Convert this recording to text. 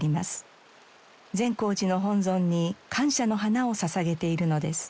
善光寺の本尊に感謝の花を捧げているのです。